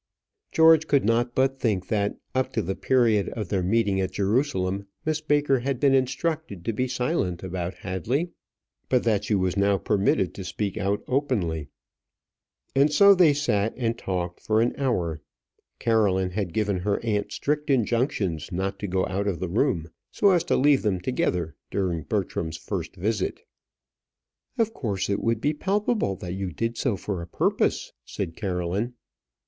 George could not but think that up to the period of their meeting at Jerusalem, Miss Baker had been instructed to be silent about Hadley, but that she was now permitted to speak out openly. And so they sat and talked for an hour. Caroline had given her aunt strict injunctions not to go out of the room, so as to leave them together during Bertram's first visit. "Of course it would be palpable that you did so for a purpose," said Caroline.